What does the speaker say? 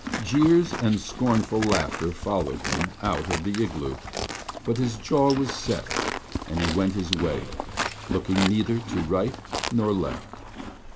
Jeers and scornful laughter followed him out of the igloo, but his jaw was set and he went his way, looking neither to right nor left.